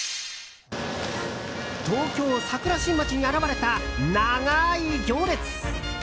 東京・桜新町に現れた長い行列。